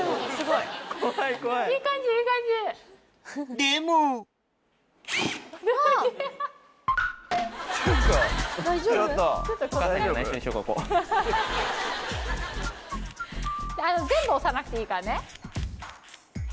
でも全部押さなくていいからね。